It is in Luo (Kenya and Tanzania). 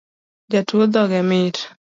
Jatuo dhoge mit